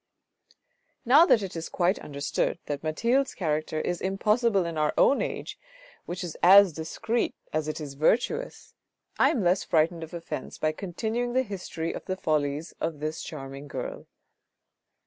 Now that it is quite understood that Mathilde's character is impossible in our own age, which is as discreet as it is virtuous, I am less frightened of offence by continuing the history of the follies of this charming girl.